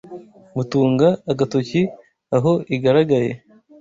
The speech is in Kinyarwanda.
mutunga agatoki aho igaragaye